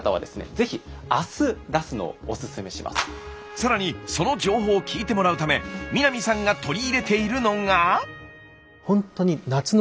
ぜひ更にその情報を聞いてもらうため南さんが取り入れているのが。